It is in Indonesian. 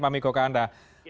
pak amiko ke anda